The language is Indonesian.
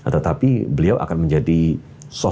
tetapi beliau akan menjadi sosok sosok